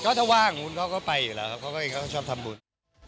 ก็ถ้าว่างมันก็ไปอยู่แล้วเขาชอบทำบุญ